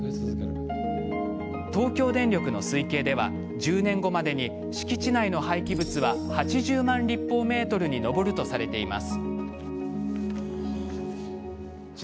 東京電力の推計では１０年後までに敷地内の廃棄物は８０万立方メートルに上るとされています。